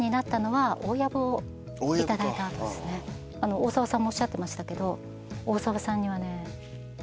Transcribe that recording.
大沢さんもおっしゃってましたけど。